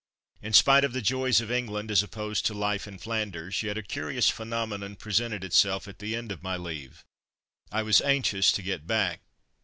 In spite of the joys of England as opposed to life in Flanders, yet a curious phenomenon presented itself at the end of my leave. I was anxious to get back.